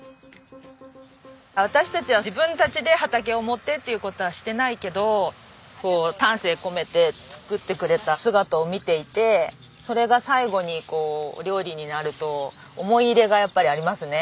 私たちは自分たちで畑を持ってっていう事はしてないけど丹精込めて作ってくれた姿を見ていてそれが最後にこうお料理になると思い入れがやっぱりありますね。